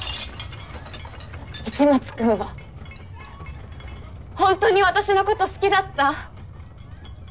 市松君はほんとに私のこと好きだった？